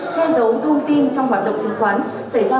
che giấu thông tin trong hoạt động chứng khoán